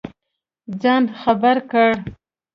ځان خبر کړ.